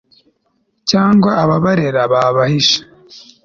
cyangwa ababarera babahesha